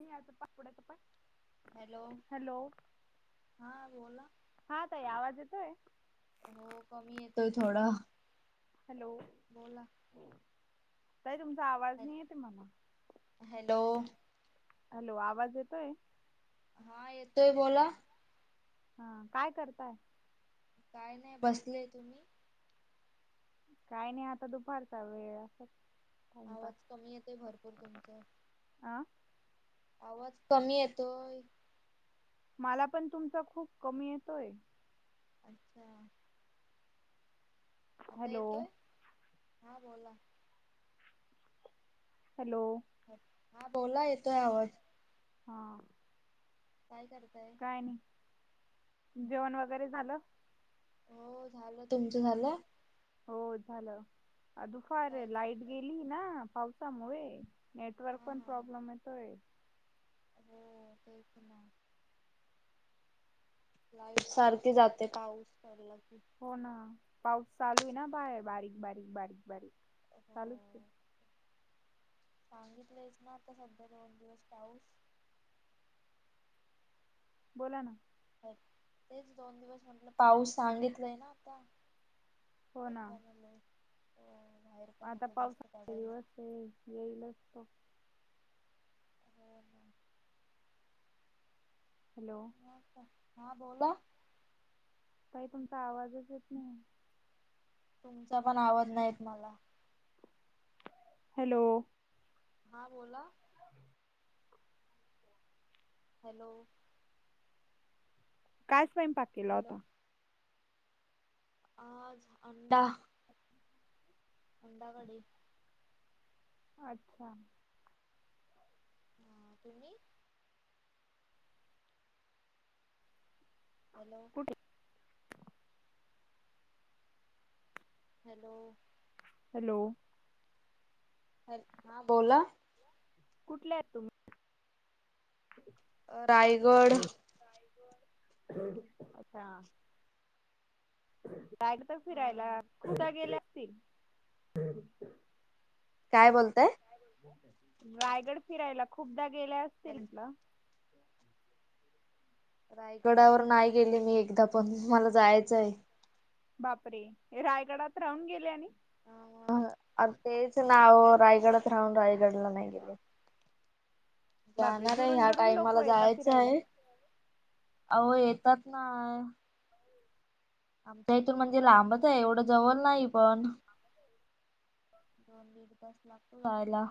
नाही आता पापडाच पा हॅलो. [inaudible] हा बोला हा ताई आवाज येतोय? हो कमी येतोय थोडा. हॅलो [inaudible] बोला ताई तुमचा आवाज नाही येतयं मला. हॅलो हॅलो, आवाज येतोय? हा येतोय बोला. हा. काय करताय? काय नाही बसलेय. तुम्ही? काय नाही आता दुपारचा वेळ असं आवाज कमी येते भरपूर तुमचा अ आवाज कमी येतोय मला पण तुमचा खूप कमी येतोय. अच्छा! आता हॅलो येतोय? [inaudible] हा बोला. हॅलो [inaudible] हा बोला येतोय आवाज. हा. काय करताय? काय नाही. [inaudible] जेवण वगैरे झालं. हो झालं. तुमचं झालं? हो झालं. दुपार ये काय लाईट करताय गेली ना पावसामुळं. नेटवर्क हा पण हा प्रॉब्लेम येतोय. [inaudible] लाईट सारखी जाते, पाऊस पडला का. हो ना. पाऊस चालू आहे ना, बारीक बारीक बारीक बारीक चालूचे. सांगितलेच ना, आता सध्या दोन दिवस पाऊस. बोला ना. तेच दोन दिवस म्हटलं, पाऊस सांगितलंय ना आता. हो ना कोणता नंबर? आता पावसाचा दिवस आहे, येईलच तो. हो ना. [inaudible] हॅलो [inaudible] हा बोला. ताई तुमचा आवाजच येत नाहीये. तुमचा पण आवाज नाही येत मला. हॅलो हा बोला. [inaudible] हॅलो काय स्वंयपाक केला हॅलो होता? अं आता कंदा वडे अच्छा हा तुम्ही? हॅलो कुठे? हॅलो हॅलो हॅलो हा बोला कुठल्या आहेत तुम्ही? अ रायगड रायगड अच्छा लागतं फिरायला कुठं गेल्याती? काय बोलताय? रायगड फिरायला खूपदा गेल्या असतील म्हटलं रायगडावर नाही गेले मी एकदा पण मला जायचं आहे. बापरे रायगडात राहून गेले नाही? अ तेच नाव रायगडात राहून रायगडला नाही गेले. बापरे जाणार आहे दुरून ह्या दुरून लोक टाइमाला येतात जायचं फिरायला आहे. अहो येतात नाय आमच्या इथून म्हणजे लांबच आहे एवढं जवळ नाही पण जायला.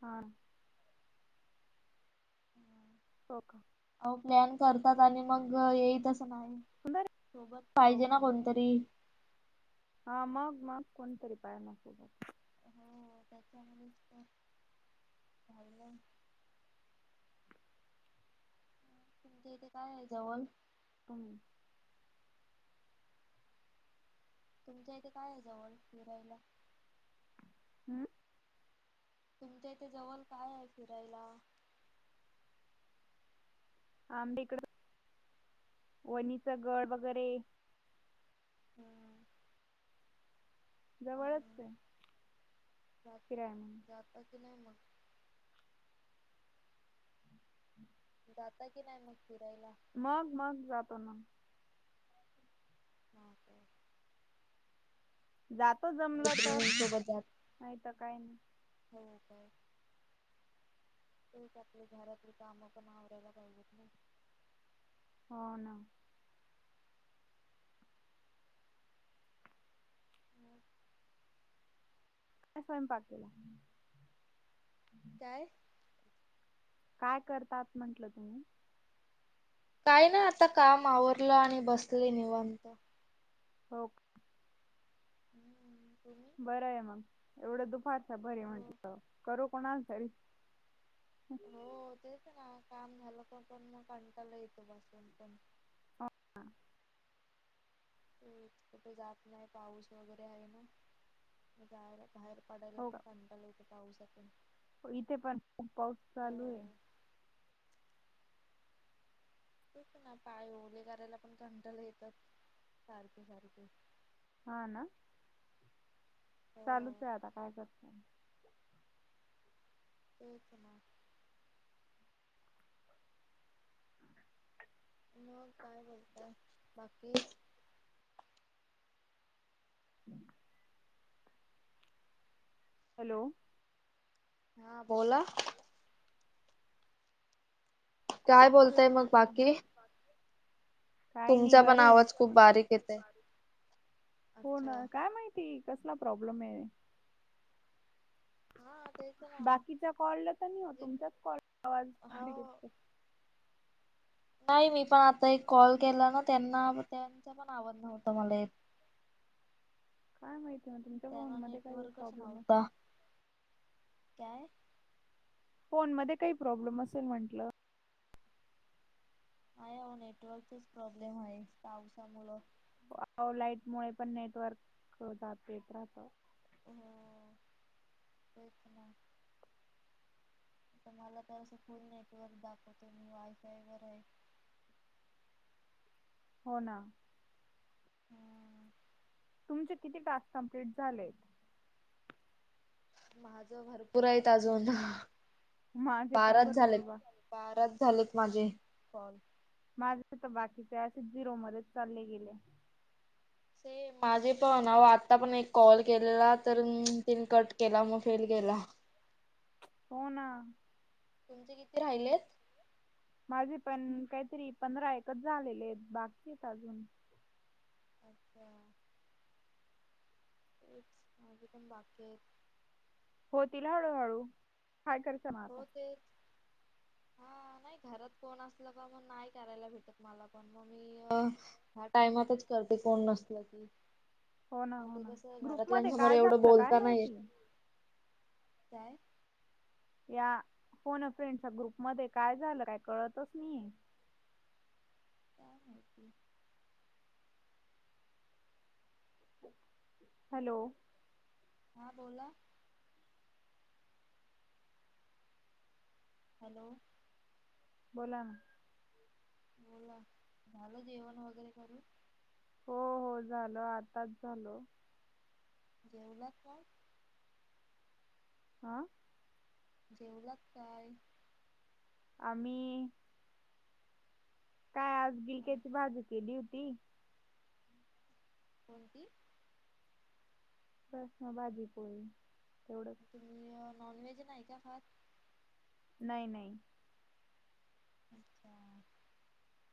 हा हो का अ प्लॅन करतात आणि मग येई तसं नाही सुंदर सोबत आहे. हो पाहिजे का ना कोणतरी हा मग मग कोणतरी पाय नाय. त्याच्यामुळे झालं इथे काय आहे जवळ? हो [unintelligible] तुमच्या इथे काय आहे जवळ फिरायला? हम्म तुमच्या इथे जवळ काय आहे फिरायला? आमच्या इकडं वनी चा गड वगैरे हम्म जवळच हम्म. आहे फिराया मग ते नाही मग. जाता की नाही मग फिरायला? मग मग जातो ना. हा तेच. [unintelligible] जातो जमलं तर मैत्रिणींसोबत जात नाही तर काय हो का तेच आपले घरातील कामं पण आवरायला पाहिजेत ना. हो ना. मग काय स्वयंपाक केला? काय? काय करतात म्हंटलं तुम्ही? काय नाही आता काम आवरलं आणि बसले निवांत. हो का. हम्म तुम्ही, बरं आहे मग, एवढं दुपारच बरी हो म्हटलं करू कोणाला तरी. हो, तेच ना काम झालं तर पण मग कंटाळा येतो, बसून पण कुठे जात नाही, पाऊस वगैरे आहे ना. बाहेर पडायला पण, का कांटाळा येतो पाऊसा तून, हो, इथे पण खूप पाऊस चालू आहे. तेच ना, पाय ओले करायला पण कंटाळा येतात, सारखे- सारखे. हा, ना, हो चालूच आहेआता, काय करणार. तेच, ना. मग काय बोलताय, बाकी? [unintelligible] हॅलो? हा, बोला! काय आवाज बोलताय, येत मग नव्हता का? बाकी? काय नाही तुमचा पण बरं आहे, आवाज तुमचा खूप पण आवाज, बारीक खूप येतय बारीक हो अच्छा ना काय माहिती. ती कसला, प्रॉब्लेम आहे. हा तेच ना बाकीच्या कॉला तर नाही हो, तुमचाच कॉल आवाज बारीक हो येतोय. नाही, मी पण आता एक कॉल केला ना, त्यांना त्यांचा पण आवाज नव्हता मला येत. काय माहिती आहे, म तुम त्याला, नेटवर्कच नव्हता, काय? फोन मध्ये, काही प्रॉब्लेम असेल म्हंटलं? आहे व, नेटवर्कच प्रॉब्लेम आहे पावसामुळ, व, लाईट मुळ पण नेटवर्क, जात येत राहत. हो, तेच ना, तुम्हाला तर, असं फुल नेटवर्क दाखवतोय, मी वायफाय वर आहे. हो, ना. हा, तुमचे किती, टास्क कंप्लीट झाले? माझं, भरपूर आहेत अजून हा, माझे पण बाराच झाले, भरपूर बा बाराच झालेत माझे कॉल. माझे तर बाकीचे, झिरो मध्येच चालले गेले. ते माझे, पण अव आता पण एक कॉल केलेला, तर तिने कट केला, मग फेल गेला. हो, ना तुमचे किती, राहिले आहेत? माझे पण, काहीतरी पंधरा एकच झालेले आहेत, बाकी आहेत अजून अच्छा, तेच, माझ पण बाकी आहेत. होतील हळूहळू, काय करचं ना आता, हो तेच. हा, नाही घरात कोण असलं का, मग नाही करायला भेटत मला, पण मग मी, ह्या टाइमातच करते, कोण नसल की, हो ना मग हो ते ना. कस, ग्रुपमध्ये घरातल्यांसमोर काय एवढं झालं काय बोलता नाही येत, माहिती? काय? या, फोन फ्रेंडच्या ग्रुप मध्ये, काय झालं काय कळतच नाही. काय माहिती, हॅलो! हा बोला. हॅलो. बोला ना. बोला. झालं जेवण वगैरे करून? हो हो. झालं. आत्ताच झालं. जेवलातं का? हा? जेवलात काय? आम्ही काय आज गिलक्याची भाजी केली होती. कोणती? बस मग भाजी पोळी तेवढंच. तुम्ही नॉनव्हेज नाही का खात? नाही नाही. अच्छा [inaudible]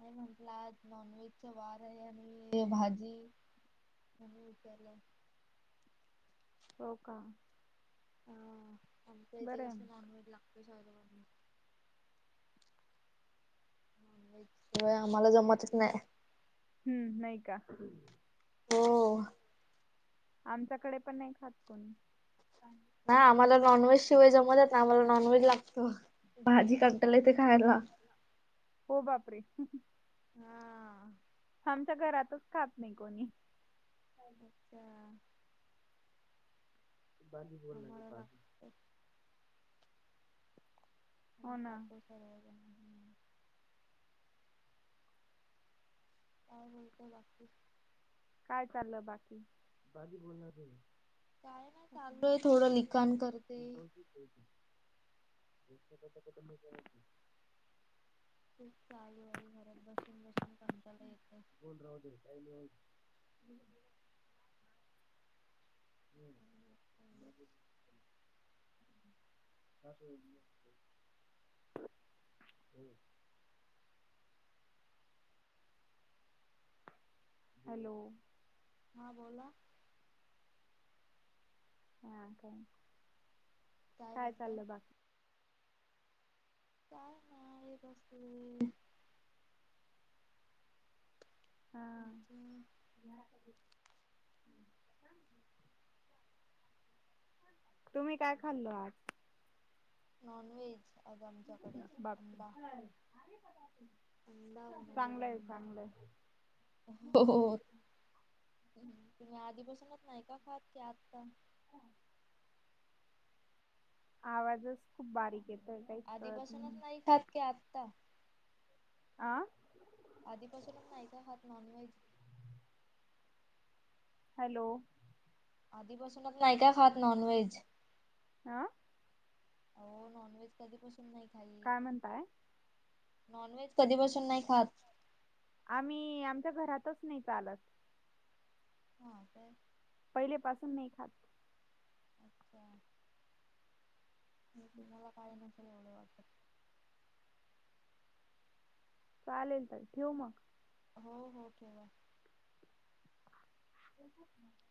नाही म्हंटलं आज नॉन व्हेजचा वार आहे आणि भाजी म्हणून विचारलं. हो का? आमच इथे बरं आहे कसं मग. नॉन व्हेज लागतं साहेबांना. त्याशिवाय आम्हाला जमतच नाही. हम्म नाही का? हो. आमच्याकडे पण नाही खात कोणी. ना, आम्हाला नॉनव्हेज शिवाय जमतच नाही, आम्हाला नॉनव्हेज लागतो, भाजी कंटाला येते खायला. हो बापरे. हा. आमच्या घरातच खात नाही कोणी. अच्छा. बाजी बोलला की आम्हाला पाज. लागत हो आणि ना [inaudible] काय बोलतेय बाकी. काय चाललंय बाकी? बाकी [inaudible] काय नाय, चालू आहे थोडं लिखाण करते. [inaudible] खूप चालू आहे घरात बसून बसून कंटाळा येतो. [inaudible] [inaudible] [unintelligible] हॅलो. हां बोला. हा काय? काय चाललं बाकी? काय नाय, बसलीय. हा. हं हं. ह [unintelligible] तुम्ही काय खाल्ल आज? Non veg. अग आमच्याकडे बापरे आंबा आंबा बनवलेला चांगलंय आंबा. चांगलंय हो हो, ह्म तुम्ही आधीपसूनच नाही का खात की, आता. ह [inaudible] आवाजच खूप बारीक. येत काय. आधीपासूनच नाही खात की. आत्ता. आ आधीपासून नाही का खात नॉन व्हेज. हॅलो, आधी पासूनच नाही का खात नॉन व्हेज. आ, आओ, नॉनव्हेज कधी पसून नाही खाई. काय म्हणताय. नॉन व्हेज कधी बसून नाही खात. आम्ही आमच्या घरातच नाही चालत. अस [inaudible] पहिले पाासून नाही खात. अच्छा [inaudible] हो त मला काही नसे आलं वाटत. चालेल तर ठेवू मग. हो हो, ठेव. हो [inaudible]